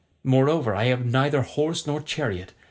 Moreover I have neither horse nor chariot.